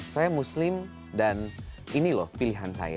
saya muslim dan ini loh pilihan saya